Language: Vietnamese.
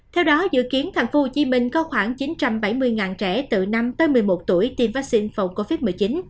theo đó dự kiến tp hcm có khoảng chín trăm bảy mươi trẻ từ năm tới một mươi một tuổi tiêm vaccine phòng covid một mươi chín